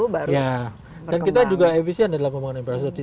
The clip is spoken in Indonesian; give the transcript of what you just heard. berkembang dan kita juga efisien di dalam pembangunan infrastruktur